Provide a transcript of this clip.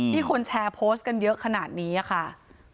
คนแชร์โพสต์กันเยอะขนาดนี้ค่ะ